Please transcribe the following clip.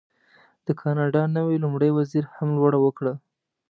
د کاناډا نوي لومړي وزیر هم لوړه وکړه.